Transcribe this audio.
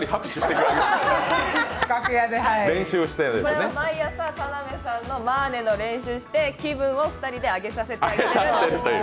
これは毎朝、田辺さんがまぁねぇの練習をして気分を２人で上げさせてあげるという。